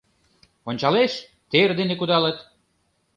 Ончалеш, тер дене кудалыт.